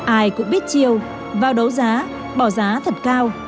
ai cũng biết chiêu vào đấu giá bỏ giá thật cao